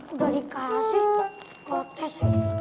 udah dikasih kotes